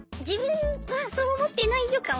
自分はそう思ってないよ